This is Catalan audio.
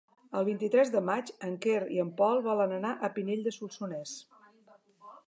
El vint-i-tres de maig en Quer i en Pol volen anar a Pinell de Solsonès.